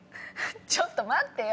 ちょっと待ってよ！